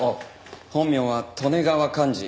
本名は利根川寛二。